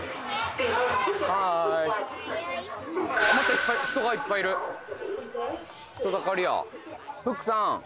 ハーイまたいっぱい人がいっぱいいる人だかりやフックさん